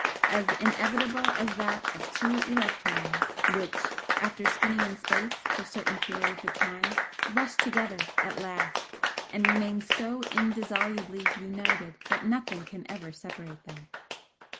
as inevitable as that of two electrons which, after spinning in space for certain periods of time, rush together at last and remain so indissolubly united that nothing can ever separate them."